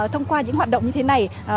thông qua những hoạt động như thế này